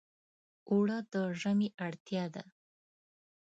اوړه د ژمي اړتیا ده